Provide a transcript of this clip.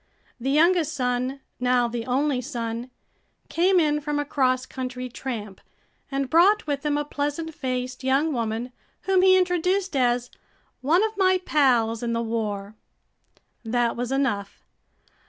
The youngest son, now the only son, came in from a cross country tramp and brought with him a pleasant faced young woman whom he introduced as "one of my pals in the war." That was enough.